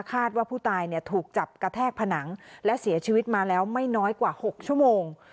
คาดว่าผู้ตายถูกจับกระแทกผนังและเสียชีวิตมาแล้วไม่น้อยกว่า๖ชั่วโมง